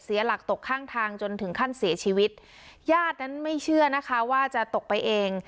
หลักตกข้างทางจนถึงขั้นเสียชีวิตญาตินั้นไม่เชื่อนะคะว่าจะตกไปเอง